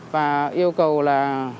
và yêu cầu là